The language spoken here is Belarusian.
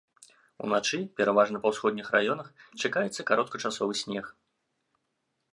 Уначы, пераважна па ўсходніх раёнах, чакаецца кароткачасовы снег.